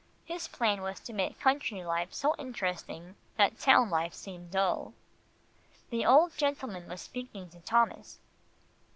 His plan was to make country life so interesting, that town life seemed dull. The old gentleman was speaking to Thomas.